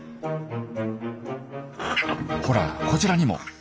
ほらこちらにも。